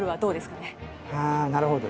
あなるほど。